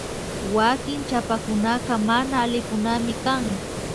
Wanki chapakuna mana alikunaminkan